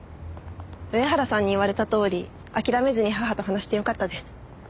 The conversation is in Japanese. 上原さんに言われたとおり諦めずに母と話してよかったです。